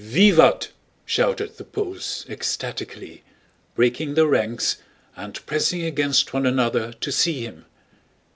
"Vivat!" shouted the Poles, ecstatically, breaking their ranks and pressing against one another to see him.